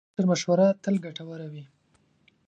د مشر مشوره تل ګټوره وي.